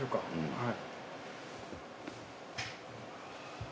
はい。